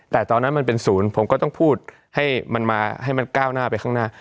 แต่ตอนนั้นมันเป็นศูนย์ผมก็ต้องพูดให้มันมาให้มันก้าวหน้าไปข้างหน้า